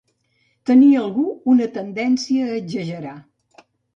Tenir algú una tendència a exagerar.